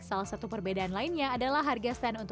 salah satu perbedaan lainnya adalah harga standar